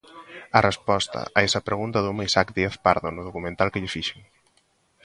A resposta a esa pregunta deuma Isaac Díaz Pardo no documental que lle fixen.